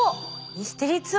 ミステリーツアー。